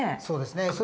そうですね。